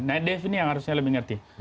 nah dev ini yang harusnya lebih mengerti